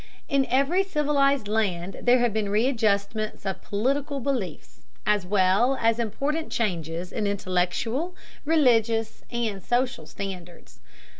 In every civilized land there have been readjustments of political beliefs, as well as important changes in intellectual, religious, and social standards.